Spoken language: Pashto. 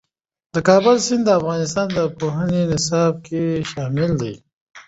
د کابل سیند د افغانستان د پوهنې نصاب کې شامل دي.